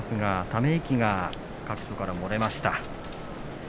ため息が各所から漏れました。